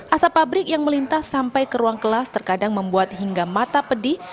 asap pabrik yang melintas sampai ke ruang kelas terkadang membuat hingga mata pedih